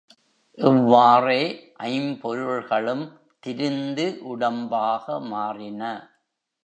இவ்வாறே, ஐம்பொருள்களும் திரிந்து உடம்பாக மாறின.